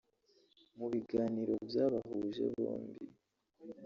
Mu biganiro byabahuje bombi